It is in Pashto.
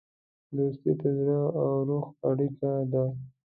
دوستي د زړه او روح اړیکه ده.